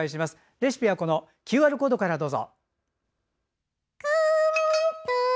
レシピはＱＲコードからどうぞ。